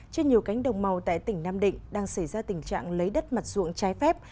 trên nhiều cánh đồng màu tại tỉnh nam định đang xảy ra tình trạng lấy đất mặt ruộng trái phép